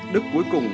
đức cuối cùng